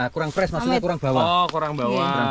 kurang press maksudnya kurang bawah